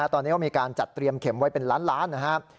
ตอนนี้ก็มีการจัดเตรียมเข็มไว้เป็นล้าน